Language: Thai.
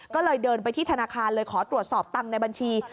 ก็เลยเดินไปที่ธนาคารเลยขอตรวจสอบตังค์ในบัญชี